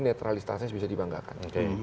netralistasnya bisa dibanggakan